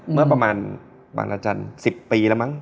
เมื่อประมาณบ้านละจันทร์๑๐ปีแล้วมั้ง